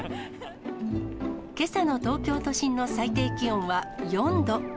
けさの東京都心の最低気温は４度。